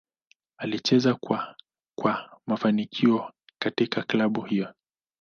Alicheza kwa kwa mafanikio katika klabu hiyo.